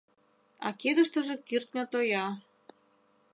А кидыштыже кӱртньӧ тоя.